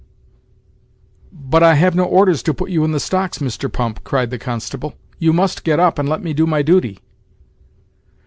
"But I have no orders to put you in the stocks, Mr. Pump," cried the constable; "you must get up and let me do my duty."